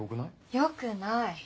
よくない。